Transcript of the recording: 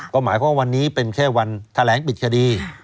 ก็หมายความว่าวันนี้เป็นแค่วันแถลงปิดคดี